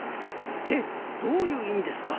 えっどういういみですか？